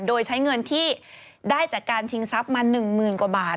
โดยใช้เงินที่ได้จากการชิงทรัพย์มา๑๐๐๐กว่าบาท